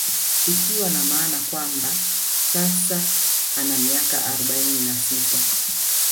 Ikiwa na maana kwamba kwa sasa ana miaka arobaini na sita